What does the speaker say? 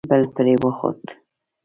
بل پرې وخوت.